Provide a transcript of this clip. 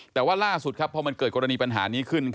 แต่ว่าล่าสุดพอมันเกิดกรณีปัญหานี้ขึ้น